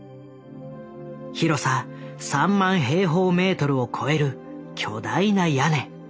広さ３万平方メートルを超える巨大な屋根。